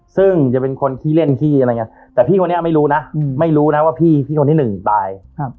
ซึ่งจะเป็นคนขี้เล่นขี้อะไรอย่างนี้แต่พี่คนนี้ไม่รู้นะไม่รู้นะว่าพี่คนที่หนึ่งตาย